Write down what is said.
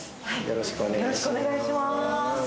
よろしくお願いします